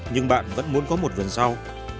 nhưng bạn vẫn muốn có một vườn rau